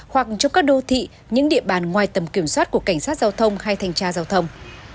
hoặc trong các đô thị những địa bàn ngoài tầm kiểm soát của cảnh sát giao thông hay thanh tra giao thông